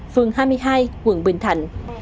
phường hai mươi hai quận bình thạnh